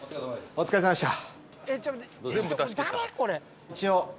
お疲れさまでした。